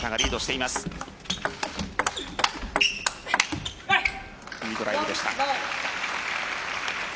いいドライブでした。